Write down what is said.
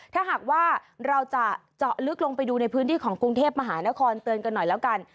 ถ้าหากว่าเราจะเจาะลึกลงไปดูในพื้นที่ของกรุงเทพมหานครเตือนกันหน่อยแล้วกัน